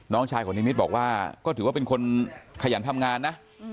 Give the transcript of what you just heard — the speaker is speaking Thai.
น้องชายของนิมิตรบอกว่าก็ถือว่าเป็นคนขยันทำงานนะ